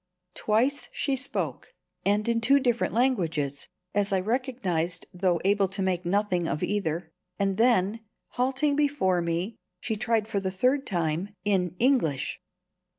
Twice she spoke, and in two different languages (as I recognized, though able to make nothing of either), and then, halting before me, she tried for the third time in English.